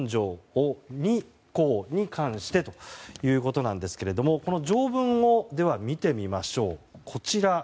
第２項に関してということなんですけれどもこの条文を見てみましょう。